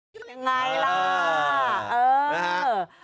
เป็นไงล่ะ